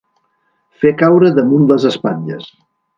Fer caure damunt les espatlles.